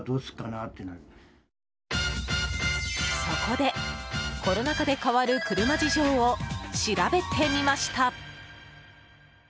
そこで、コロナ禍で変わる車事情を調べてみました。